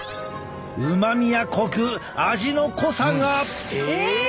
うまみやコク味の濃さが。え！